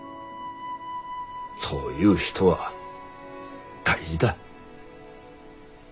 そういう人は大事だ。